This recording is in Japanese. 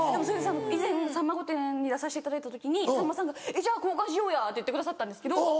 以前『さんま御殿‼』に出させていただいた時にさんまさんが「交換しようや」って言ってくださったんですけど。